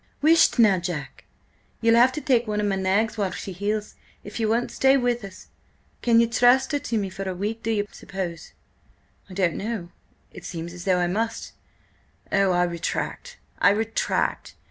"Whisht now, Jack! Ye'll have to take one of my nags while she heals, if ye won't stay with us. Can ye trust her to me for a week, do ye suppose?" "I don't know. It seems as though I must–oh, I retract, I retract.